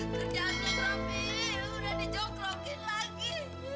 kerjaan gue tapi udah dijongkrokin lagi